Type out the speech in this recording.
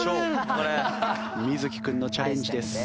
瑞稀君のチャレンジです。